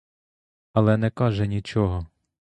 Але не каже нічого.